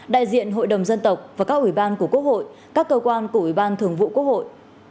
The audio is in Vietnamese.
đại diện hội đồng dân tộc và các ủy ban của quốc hội các cơ quan của ủy ban thường vụ quốc hội